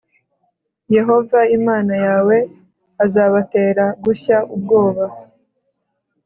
Yehova Imana yawe azabatera gushya ubwoba,